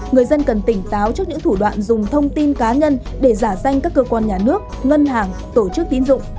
người dân cần tỉnh táo trước những thủ đoạn dùng thông tin cá nhân để giả danh các cơ quan nhà nước ngân hàng tổ chức tín dụng